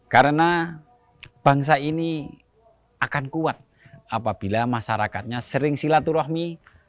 karena bangsa ini akan kuat apabila masyarakatnya sering silaturahmi